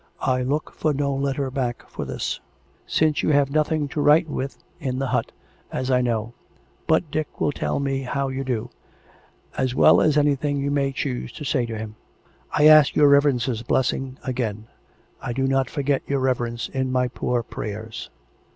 I look for no letter back for this since you have nothing to write with in the hut, as I know; but Dick will tell me how you do; as well as anything you may choose to say to him. " I ask your reverence's blessing again. I do not forget your reverence in my poor prayers."